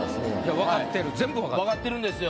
分かってるんですよ。